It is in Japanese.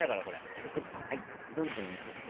くるくるどんどんやっちゃって。